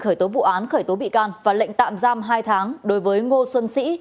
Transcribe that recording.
khởi tố vụ án khởi tố bị can và lệnh tạm giam hai tháng đối với ngô xuân sĩ